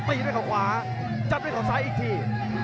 ตีด้วยเขาขวาจัดด้วยเขาซ้ายอีกที